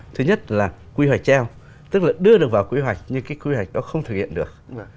thứ nhất là quy hoạch treo tức là đưa được vào quy hoạch nhưng cái quy hoạch đó không thực hiện được